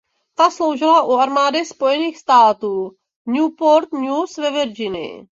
Ta sloužila u armády Spojených států v Newport News ve Virginii.